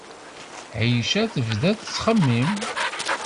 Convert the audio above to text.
Ɛica tebda tettxemmim.